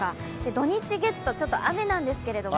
土日月と雨なんですけれども。